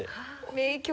名曲。